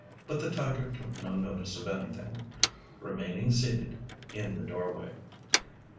But the tiger took no notice of anything, remaining seated in the doorway.